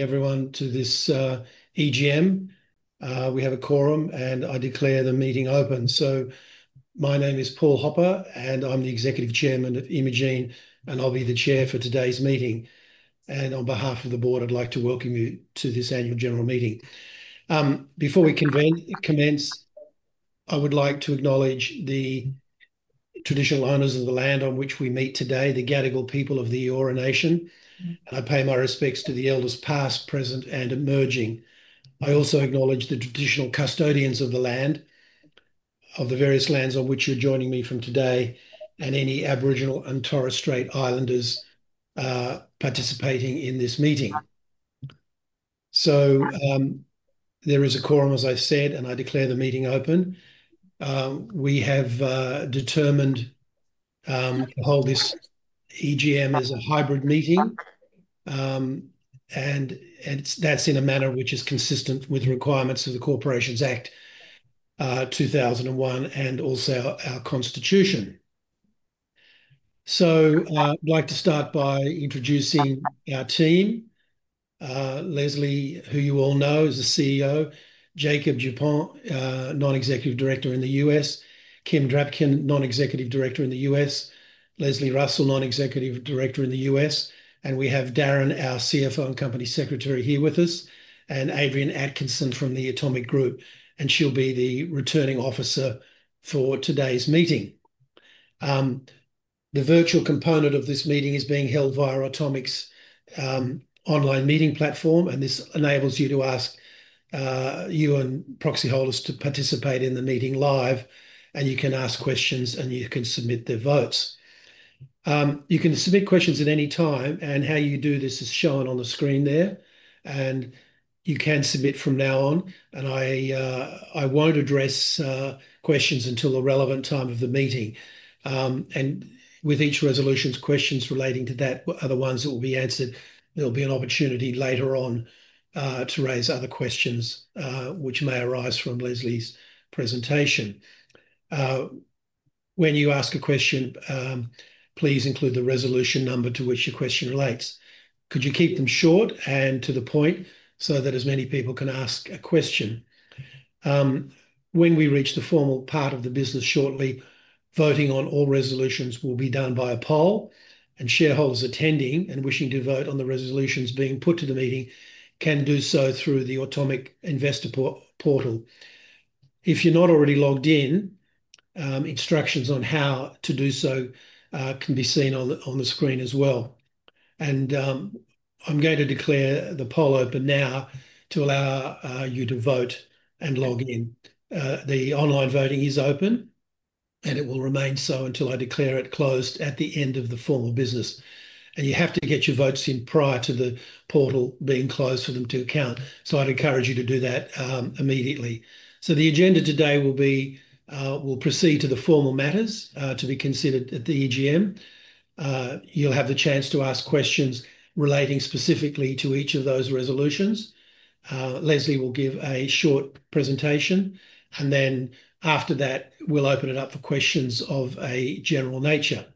Everyone, to this AGM, we have a quorum, and I declare the meeting open. My name is Paul Hopper, and I'm the Executive Chairman of Imugene, and I'll be the Chair for today's meeting. On behalf of the Board, I'd like to welcome you to this Annual General Meeting. Before we commence, I would like to acknowledge the traditional owners of the land on which we meet today, the Gadigal people of the Eora Nation. I pay my respects to the elders past, present, and emerging. I also acknowledge the traditional custodians of the various lands on which you're joining me from today, and any Aboriginal and Torres Strait Islanders participating in this meeting. There is a quorum, as I said, and I declare the meeting open. We have determined to hold this AGM as a hybrid meeting, in a manner which is consistent with the requirements of the Corporations Act 2001 and also our Constitution. I'd like to start by introducing our team. Leslie, who you all know, is the CEO; Jakob Dupont, Non-Executive Director in the U.S.; Kim Drapkin, Non-Executive Director in the U.S.; Lesley Russell, Non-Executive Director in the U.S.; and we have Darren, our CFO and Company Secretary, here with us; and Adrienne Atkinson from the Automic Group, and she'll be the Returning Officer for today's meeting. The virtual component of this meeting is being held via our Automic's online meeting platform, and this enables you and proxy holders to participate in the meeting live. You can ask questions, and you can submit your votes. You can submit questions at any time, and how you do this is shown on the screen there. You can submit from now on, and I won't address questions until the relevant time of the meeting. With each resolution, questions relating to that and other ones will be answered. There'll be an opportunity later on to raise other questions which may arise from Leslie's presentation. When you ask a question, please include the resolution number to which your question relates. Could you keep them short and to the point so that as many people can ask a question? When we reach the formal part of the business shortly, voting on all resolutions will be done via poll, and shareholders attending and wishing to vote on the resolutions being put to the meeting can do so through the Automic Investor Portal. If you're not already logged in, instructions on how to do so can be seen on the screen as well. I'm going to declare the poll open now to allow you to vote and log in. The online voting is open, and it will remain so until I declare it closed at the end of the formal business. You have to get your votes in prior to the portal being closed for them to count, so I'd encourage you to do that immediately. The agenda today will be we'll proceed to the formal matters to be considered at the AGM. You'll have the chance to ask questions relating specifically to each of those resolutions. Leslie will give a short presentation, and after that, we'll open it up for questions of a general nature.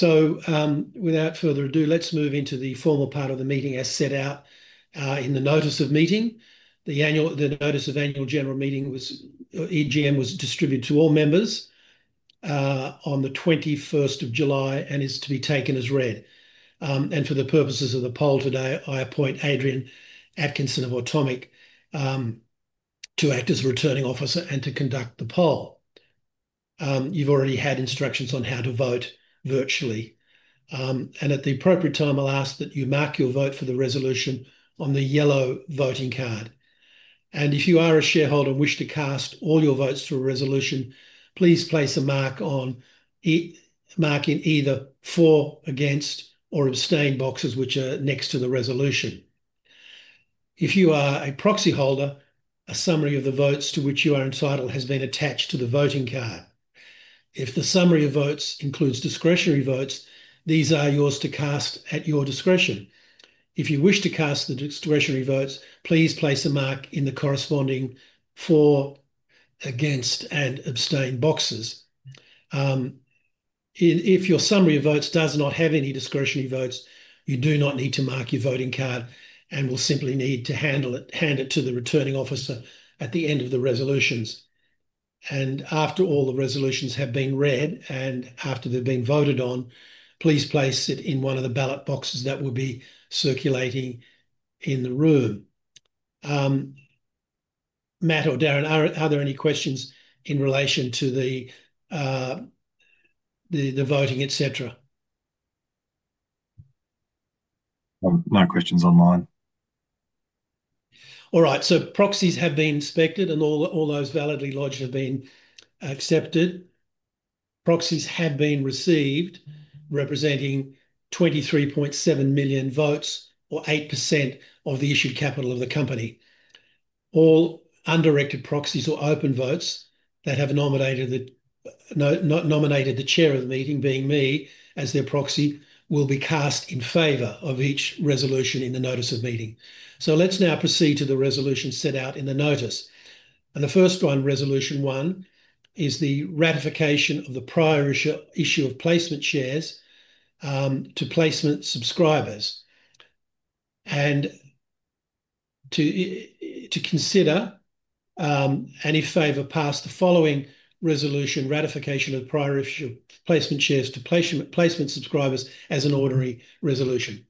Without further ado, let's move into the formal part of the meeting as set out in the notice of meeting. The notice of Annual General Meeting, or AGM, was distributed to all members on the 21st of July and is to be taken as read. For the purposes of the poll today, I appoint Adrienne Atkinson of Automic Group to act as the Returning Officer and to conduct the poll. You've already had instructions on how to vote virtually, and at the appropriate time, I'll ask that you mark your vote for the resolution on the yellow voting card. If you are a shareholder and wish to cast all your votes for a resolution, please place a mark in either the for, against, or abstain boxes which are next to the resolution. If you are a proxy holder, a summary of the votes to which you are entitled has been attached to the voting card. If the summary of votes includes discretionary votes, these are yours to cast at your discretion. If you wish to cast the discretionary votes, please place a mark in the corresponding for, against, and abstain boxes. If your summary of votes does not have any discretionary votes, you do not need to mark your voting card and will simply need to hand it to the returning officer at the end of the resolutions. After all the resolutions have been read and after they've been voted on, please place it in one of the ballot boxes that will be circulating in the room. Matt or Darren, are there any questions in relation to the voting, et cetera? My question's online. All right, proxies have been inspected and all those validly lodged have been accepted. Proxies have been received, representing 23.7 million votes, or 8% of the issued capital of the company. All undirected proxies or open votes that have nominated the Chair of the Meeting, being me, as their proxy, will be cast in favor of each resolution in the notice of meeting. Let's now proceed to the resolutions set out in the notice. The first one, Resolution 1, is the ratification of the prior issue of placement shares to placement subscribers. To consider, and if favored, pass the following resolution: ratification of the prior issue of placement shares to placement subscribers as an ordinary resolution.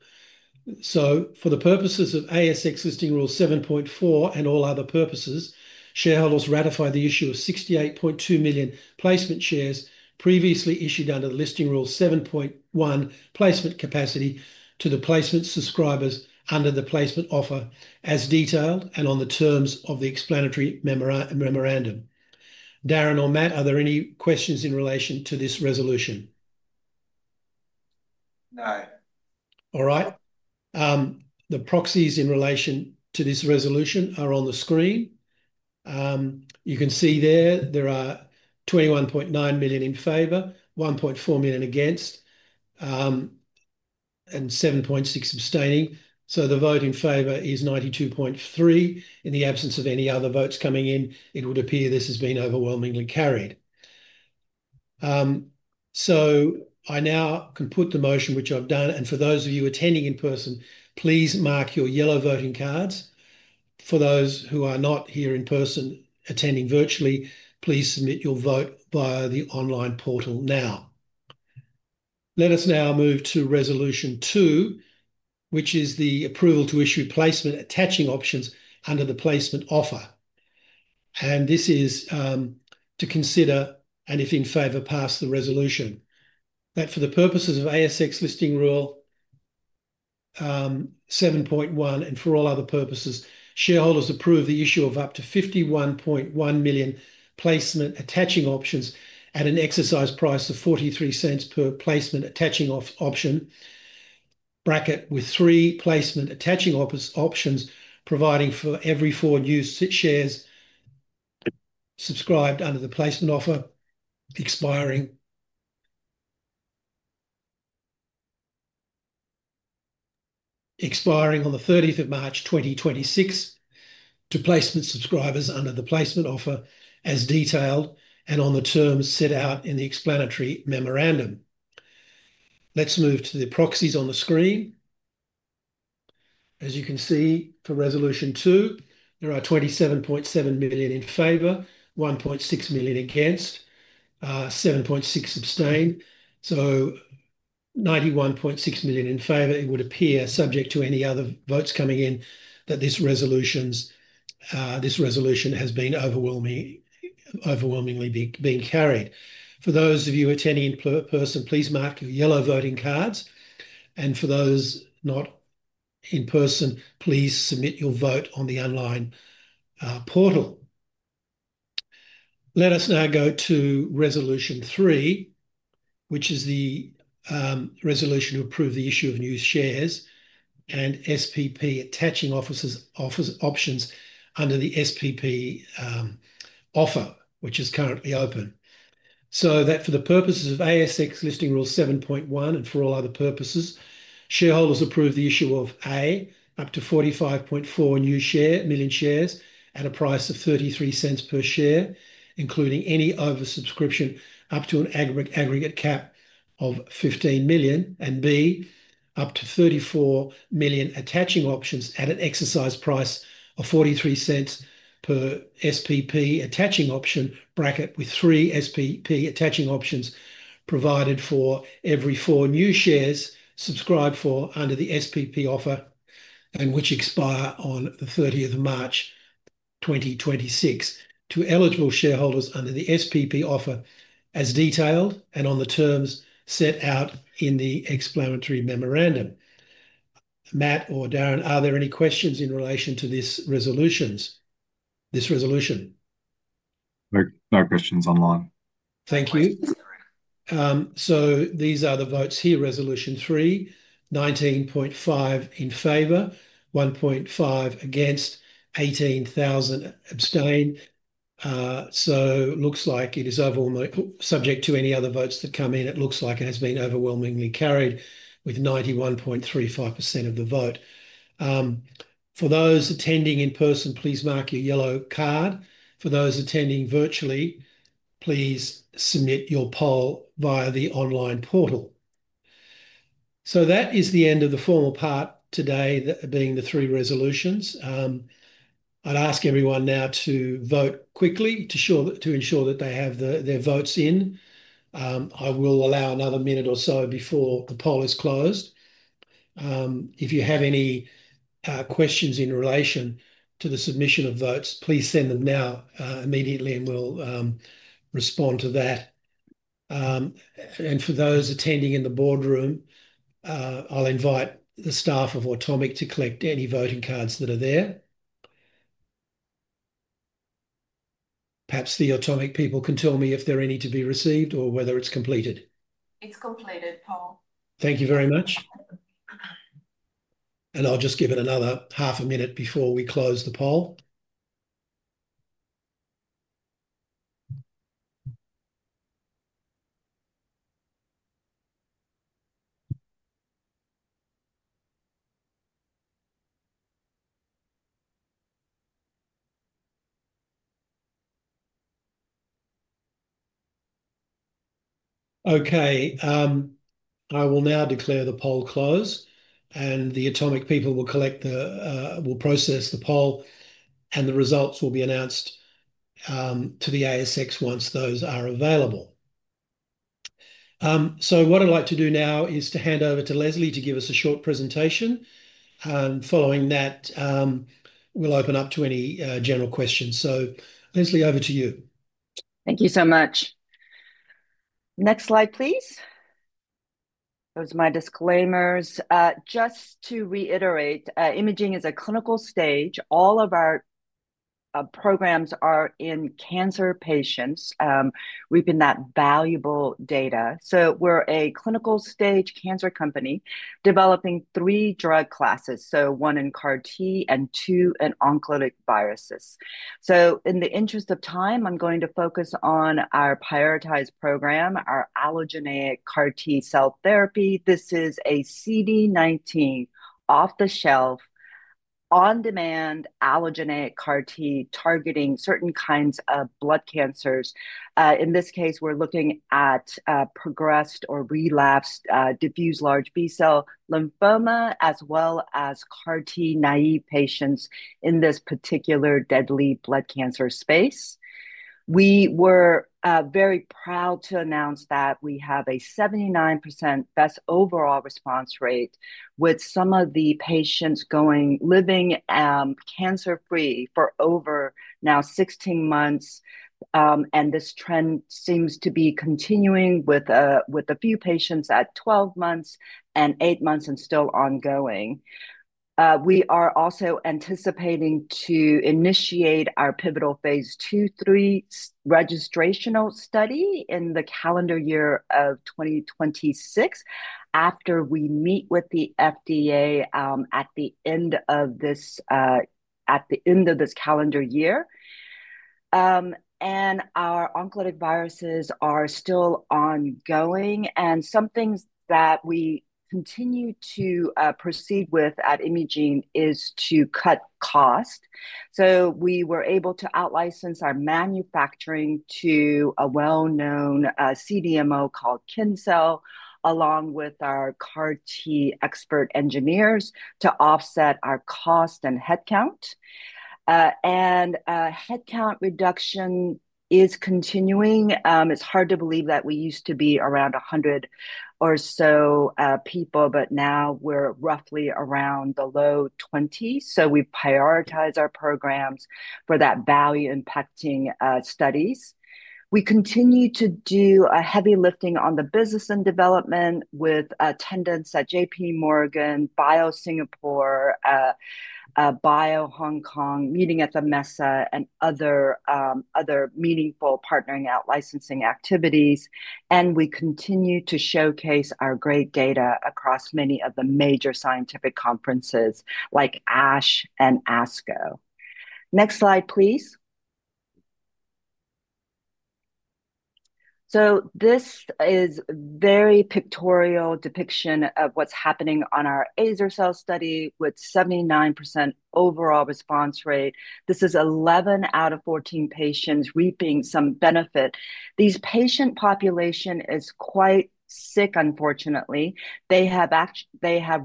For the purposes of ASX Listing Rule 7.4 and all other purposes, shareholders ratify the issue of 68.2 million placement shares previously issued under the Listing Rule 7.1 placement capacity to the placement subscribers under the placement offer as detailed and on the terms of the explanatory memorandum. Darren or Matt, are there any questions in relation to this resolution? No. All right. The proxies in relation to this resolution are on the screen. You can see there are 21.9 million in favor, 1.4 million against, and 7.6 million abstaining. The vote in favor is 92.3%. In the absence of any other votes coming in, it would appear this has been overwhelmingly carried. I now can put the motion, which I've done, and for those of you attending in person, please mark your yellow voting cards. For those who are not here in person, attending virtually, please submit your vote via the online portal now. Let us now move to Resolution 2, which is the approval to issue placement attaching options under the placement offer. This is to consider, and if in favor, pass the resolution that for the purposes of ASX Listing Rule 7.1 and for all other purposes, shareholders approve the issue of up to 51.1 million placement attaching options at an exercise price of 0.43 per placement attaching option, with three placement attaching options provided for every four new shares subscribed under the placement offer, expiring on March 30, 2026, to placement subscribers under the placement offer as detailed and on the terms set out in the explanatory memorandum. Let's move to the proxies on the screen. As you can see, for Resolution 2, there are 27.7 million in favor, 1.6 million against, and 7.6 million abstained. 91.6% in favor, it would appear subject to any other votes coming in that this resolution has been overwhelmingly carried. For those of you attending in person, please mark your yellow voting cards. For those not in person, please submit your vote on the online portal. Let us now go to Resolution 3, which is the resolution to approve the issue of new shares and SPP attaching options under the SPP offer, which is currently open. For the purposes of ASX Listing Rule 7.1 and for all other purposes, shareholders approve the issue of (A) up to 45.4 million shares at a price of 0.33 per share, including any oversubscription up to an aggregate cap of 15 million, and (B) up to 34 million attaching options at an exercise price of 0.43 per SPP attaching option, with three SPP attaching options provided for every four new shares subscribed for under the SPP offer and which expire on March 30th, 2026, to eligible shareholders under the SPP offer as detailed and on the terms set out in the explanatory memorandum. Matt or Darren, are there any questions in relation to this resolution? No questions online. Thank you. These are the votes here. Resolution 3, 19.5 million in favor, 1.5 million against, 18,000 abstain. It looks like it is overall, subject to any other votes that come in. It looks like it has been overwhelmingly carried with 91.35% of the vote. For those attending in person, please mark your yellow card. For those attending virtually, please submit your poll via the online portal. That is the end of the formal part today, being the three resolutions. I'd ask everyone now to vote quickly to ensure that they have their votes in. I will allow another minute or so before the poll is closed. If you have any questions in relation to the submission of votes, please send them now immediately and we'll respond to that. For those attending in the boardroom, I'll invite the staff of Automic to collect any voting cards that are there. Perhaps the Automic people can tell me if there are any to be received or whether it's completed. Completed, Paul. Thank you very much. I'll just give it another half a minute before we close the poll. I will now declare the poll closed, and the Automic Group people will process the poll, and the results will be announced to the ASX once those are available. What I'd like to do now is to hand over to Leslie to give us a short presentation. Following that, we'll open up to any general questions. Leslie, over to you. Thank you so much. Next slide, please. Those are my disclaimers. Just to reiterate, Imugene is a clinical stage. All of our programs are in cancer patients. We've been that valuable data. We're a clinical-stage cancer company developing three drug classes, one in CAR-T and two in oncolytic viruses. In the interest of time, I'm going to focus on our prioritized program, our allogeneic CAR T-cell therapy. This is a CD19 off-the-shelf, on-demand allogeneic CAR-T targeting certain kinds of blood cancers. In this case, we're looking at progressed or relapsed diffuse large B-cell lymphoma, as well as CAR-T naïve patients in this particular deadly blood cancer space. We were very proud to announce that we have a 79% best overall response rate with some of the patients going living cancer-free for over now 16 months. This trend seems to be continuing with a few patients at 12 months and 8 months and still ongoing. We are also anticipating to initiate our pivotal phase II/III registrational study in the calendar year of 2026 after we meet with the FDA at the end of this calendar year. Our oncolytic viruses are still ongoing. Some things that we continue to proceed with at Imugene is to cut cost. We were able to out-license our manufacturing to a well-known CDMO called Kincell, along with our CAR-T expert engineers to offset our cost and headcount. Headcount reduction is continuing. It's hard to believe that we used to be around 100 or so people, but now we're roughly around the low 20. We've prioritized our programs for that value-impacting studies. We continue to do a heavy lifting on the business and development with attendance at JPMorgan, BioSingapore, BioHong Kong, meeting at the MESA, and other meaningful partnering out-licensing activities. We continue to showcase our great data across many of the major scientific conferences like ASH and ASCO. Next slide, please. This is a very pictorial depiction of what's happening on our Azer-cel study with 79% overall response rate. This is 11 out of 14 patients reaping some benefit. These patient populations are quite sick, unfortunately. They have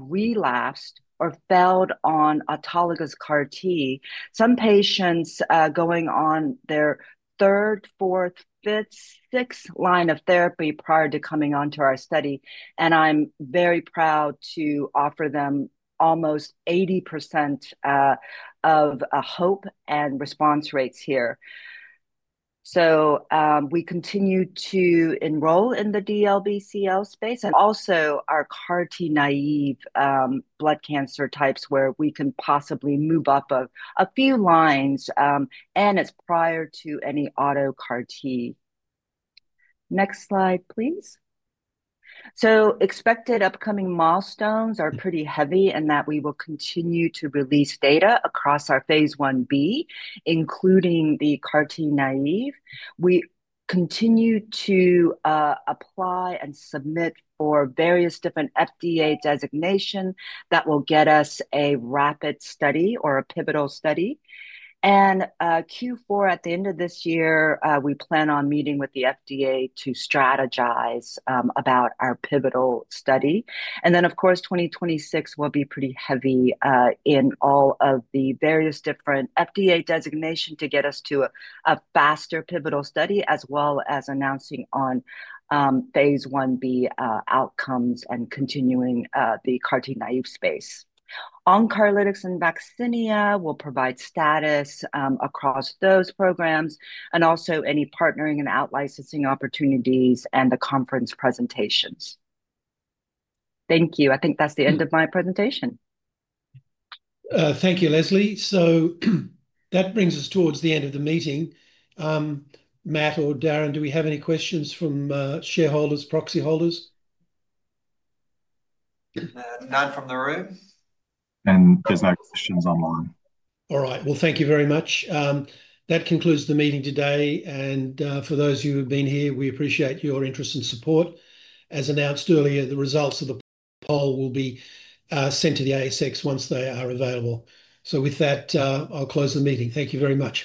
relapsed or failed on autologous CAR-T. Some patients are going on their third, fourth, fifth, sixth line of therapy prior to coming onto our study. I'm very proud to offer them almost 80% of hope and response rates here. We continue to enroll in the DLBCL space and also our CAR-T naïve blood cancer types where we can possibly move up a few lines. It's prior to any auto CAR-T. Next slide, please. Expected upcoming milestones are pretty heavy in that we will continue to release data across our phase I-B, including the CAR-T naïve. We continue to apply and submit for various different FDA designations that will get us a rapid study or a pivotal study. In Q4, at the end of this year, we plan on meeting with the FDA to strategize about our pivotal study. Of course, 2026 will be pretty heavy in all of the various different FDA designations to get us to a faster pivotal study, as well as announcing on phase I-B outcomes and continuing the CAR-T naïve space. Oncolytic virus programs and Vaccinia will provide status across those programs and also any partnering and out-licensing opportunities and the conference presentations. Thank you. I think that's the end of my presentation. Thank you, Leslie. That brings us towards the end of the meeting. Matt or Darren, do we have any questions from shareholders, proxy holders? None from the room. There's no questions online. All right, thank you very much. That concludes the meeting today. For those of you who have been here, we appreciate your interest and support. As announced earlier, the results of the poll will be sent to the ASX once they are available. With that, I'll close the meeting. Thank you very much.